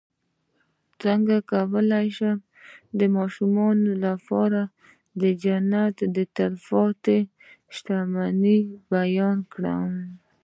څنګه کولی شم د ماشومانو لپاره د جنت د تل پاتې شتمنۍ بیان کړم